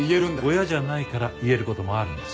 親じゃないから言える事もあるんです。